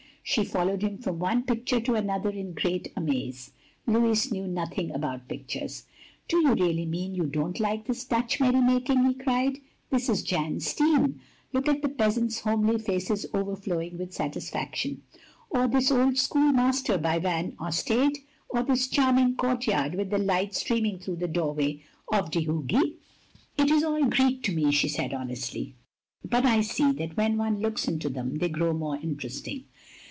She followed him from one picture to another in great amaze. Louis knew nothing about pictures! " Do you really mean you don't like this Dutch merry making?" he cried. "This is Jan Steen. Look at the peasants' homely faces overflowing with satisfaction. Or this old schoolmaster by Van Ostade? Or this charming courtyard with the light streaming through the doorway, of de Hooghe?" "It is all Greek to me," she said honestly. " But I see that when one looks into them they grow more interesting.